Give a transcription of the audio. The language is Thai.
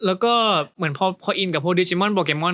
แล้วก็เหมือนพออินกับโพดิจิมอนโดเกมอน